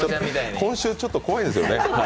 今週ちょっと怖いんですよね。